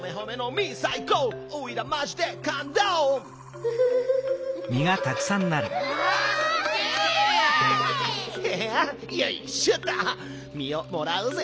みをもらうぜ。